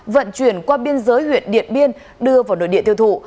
vận chuyển qua biên giới huyện điện biên đưa vào nội địa tiêu thụ